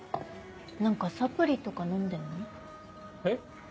何かサプリとか飲んでんの？へ？